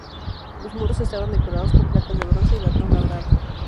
Los muros estaban decorados con placas de bronce y latón labrado.